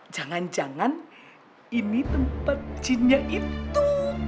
jangan jangan ini tempat jinnya itu